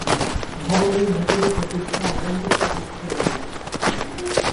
ভবনের ভেতরে চতুর্থ "আইল্যান্ডে" স্লাইড শো রয়েছে।